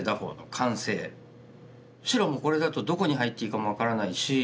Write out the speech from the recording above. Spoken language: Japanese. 白もこれだとどこに入っていいかも分からないし。